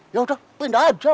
ya udah pindah aja